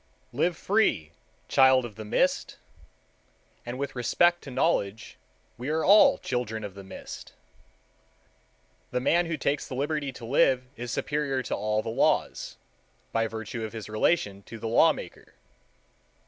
Live free, child of the mist—and with respect to knowledge we are all children of the mist. The man who takes the liberty to live is superior to all the laws, by virtue of his relation to the law maker.